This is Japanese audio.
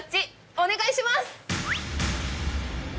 お願いします！